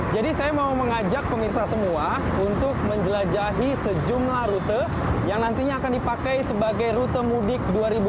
jadi saya mau mengajak pemirsa semua untuk menjelajahi sejumlah rute yang nantinya akan dipakai sebagai rute mudik dua ribu tujuh belas